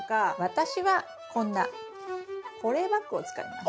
私はこんな保冷バッグを使います。